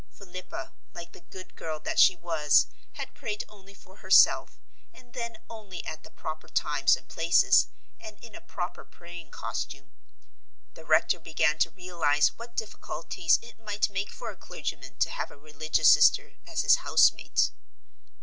Philippa, like the good girl that she was, had prayed only for herself, and then only at the proper times and places, and in a proper praying costume. The rector began to realize what difficulties it might make for a clergyman to have a religious sister as his house mate.